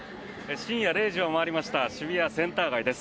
深夜０時を回りました渋谷センター街です。